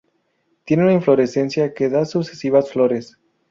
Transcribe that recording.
Tiene una inflorescencia que da sucesivas flores.